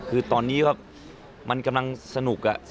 คือตอนนี้ก็มันกำลังสนุก